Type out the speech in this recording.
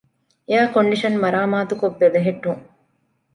އެއަރ ކޮންޑިޝަންތައް މަރާމާތުކޮށް ބެލެހެއްޓުން